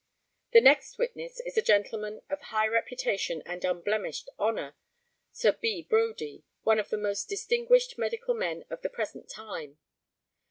] The next witness is a gentleman of high reputation and unblemished honour, Sir B. Brodie, one of the most distinguished medical men of the present time.